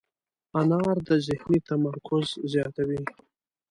انار د ذهني تمرکز زیاتوي.